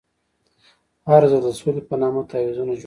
هر ځل د سولې په نامه تعویضونه جوړېږي.